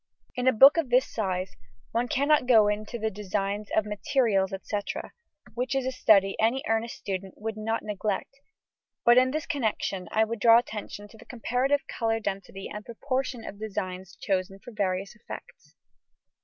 In a book of this size, one cannot go into the designs of materials, &c., which is a study any earnest student would not neglect, but in this connection I would draw attention to the comparative colour density and proportion of designs chosen for various effects.